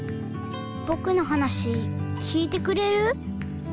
ぼくのはなしきいてくれる？